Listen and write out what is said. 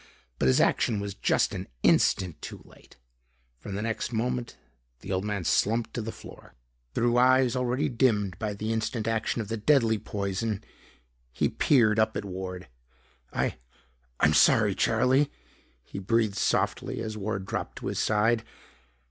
But his action was just an instant too late, for the next moment, the old man slumped to the floor. Through eyes already dimmed by the instant action of the deadly poison, he peered up at Ward. "I I'm sorry, Charlie," he breathed softly as Ward dropped to his side.